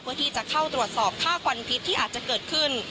เพื่อที่จะเข้าตรวจสอบค่าควันพิษที่อาจจะเกิดขึ้น